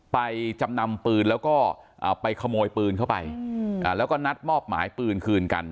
จำนำปืนแล้วก็ไปขโมยปืนเข้าไปแล้วก็นัดมอบหมายปืนคืนกัน